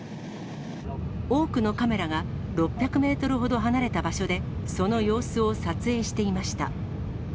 多くのカメラが、６００メートルほど離れた場所で、その様子を撮影していました。